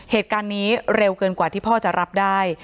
เหตุการณ์นี้เร็วเกินกว่าที่พ่อจะรับได้